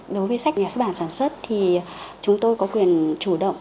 đối với sách nhà xuất bản sản xuất thì chúng tôi có quyền chủ động